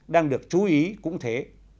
đang được chú ý cũng thế